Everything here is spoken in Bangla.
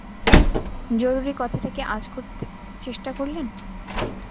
জরুরি কথাটা কি আঁচ করতে চেষ্টা করলেন।